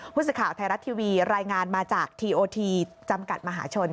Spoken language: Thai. ผู้สื่อข่าวไทยรัฐทีวีรายงานมาจากทีโอทีจำกัดมหาชน